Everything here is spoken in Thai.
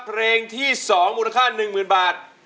เพลงที่๒มูลค่า๑๐๐๐บาท